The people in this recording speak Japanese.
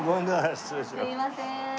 すいません。